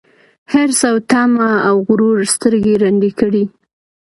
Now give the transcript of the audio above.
حرص او تمه او غرور سترګي ړندې کړي